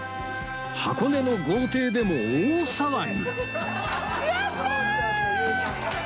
箱根の豪邸でも大騒ぎ